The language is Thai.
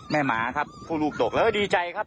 แม่หมาครับผู้ลูกโดกแล้วดีใจครับ